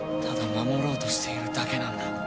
ただ守ろうとしているだけなんだ。